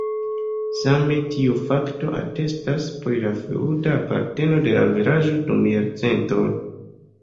Same tiu fakto atestas pri la feŭda aparteno de la vilaĝo dum jarcentoj.